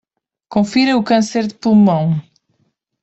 Confira o câncer de pulmão